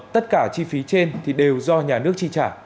tất cả chi phí trên thì đều do nhà nước chi trả